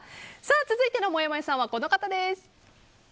続いてのもやもやさんはこの方です。